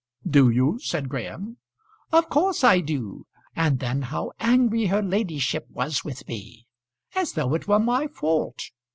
"Do you?" said Graham. "Of course I do. And then how angry her ladyship was with me, as though it were my fault.